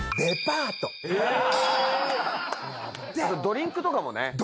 あとドリンクとかもね。